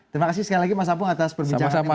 terima kasih sekali lagi mas apung atas perbincangan ini